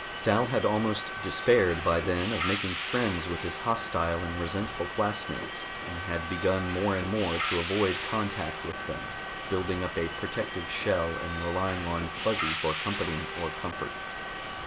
Dal had almost despaired by then of making friends with his hostile and resentful classmates and had begun more and more to avoid contact with them, building up a protective shell and relying on Fuzzy for company or comfort.